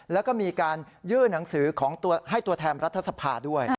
แล้วก็มีการยื่นหนังสือของให้ตัวแทนรัฐสภาด้วย